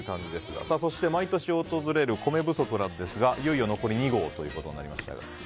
そして、毎年訪れる米不足ですがいよいよ残り２合となりました。